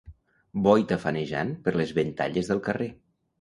Bo i tafanejant per les ventalles del carrer.